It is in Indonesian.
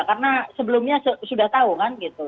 karena sebelumnya sudah tahu kan gitu